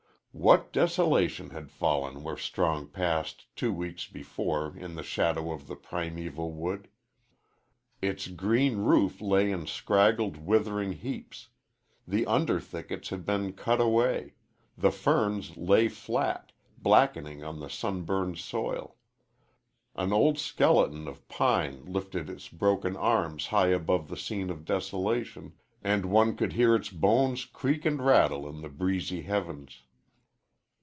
What desolation had fallen where Strong passed, two weeks before, in the shadow of the primeval wood! Its green roof lay in scraggled, withering heaps; the under thickets had been cut away; the ferns lay flat, blackening on the sunburned soil. An old skeleton of pine lifted its broken arms high above the scene of desolation, and one could hear its bones creak and rattle in the breezy heavens.